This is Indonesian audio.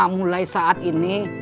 mulai saat ini